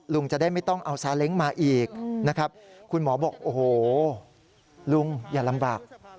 ลุงจะได้ไม่ต้องเอาซาเล้งมาอีกนะครับคุณหมอบอกโอ้โหลุงอย่าลำบาก